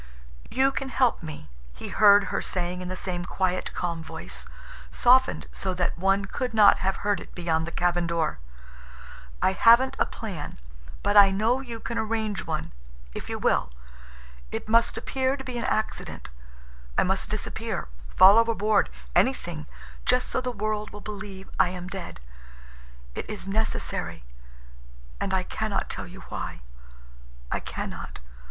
"You can help me," he heard her saying in the same quiet, calm voice, softened so that one could not have heard it beyond the cabin door. "I haven't a plan. But I know you can arrange one—if you will. It must appear to be an accident. I must disappear, fall overboard, anything, just so the world will believe I am dead. It is necessary. And I can not tell you why. I can not.